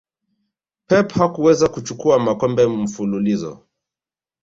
pep hakuweza kuchukua makombe mfululizo